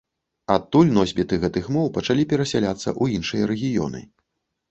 Адтуль носьбіты гэтых моў пачалі перасяляцца ў іншыя рэгіёны.